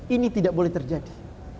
ini tidak boleh terjadi